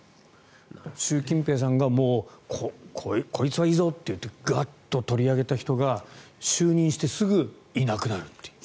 習近平さんがこいつはいいぞっていってガッと取り上げた人が就任してすぐいなくなるという。